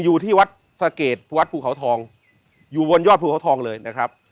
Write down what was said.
อยู่ที่วัดสะเกดวัดภูเขาทองอยู่บนยอดภูเขาทองเลยนะครับ